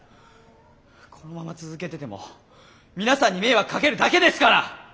このまま続けてても皆さんに迷惑かけるだけですから。